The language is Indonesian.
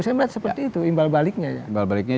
saya melihat seperti itu imbal baliknya ya iqbal baliknya